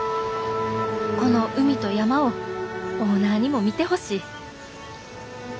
この海と山をオーナーにも見てほしい。